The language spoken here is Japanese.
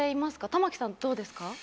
玉木さんどうですか？